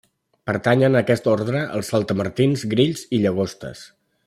Pertanyen a aquest ordre els saltamartins, grills i llagostes.